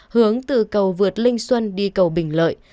hướng từ cầu vượt linh xuân đi cầu bình lợi